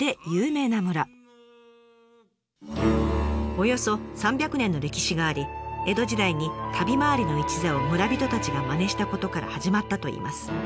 およそ３００年の歴史があり江戸時代に旅回りの一座を村人たちがまねしたことから始まったといいます。